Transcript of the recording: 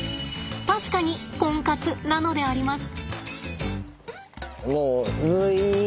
確かにコンカツなのであります！